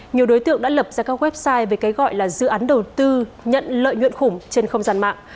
nhiều đối tượng đã lập ra các website về cái gọi là dự án đầu tư nhận lợi nhuận khủng trên không gian mạng